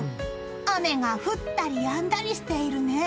雨が降ったりやんだりしてるね！